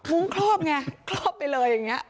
ุ้งครอบไงครอบไปเลยอย่างนี้